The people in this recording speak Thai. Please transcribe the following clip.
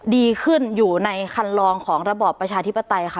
ดีขึ้นอยู่ในคันลองของระบอบประชาธิปไตยค่ะ